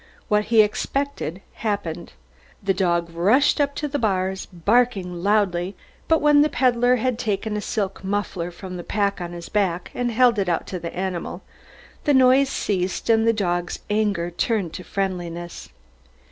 What he expected, happened. The dog rushed up to the bars, barking loudly, but when the peddler had taken a silk muffler from the pack on his back and held it out to the animal, the noise ceased and the dog's anger turned to friendliness.